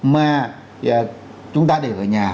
mà chúng ta để ở nhà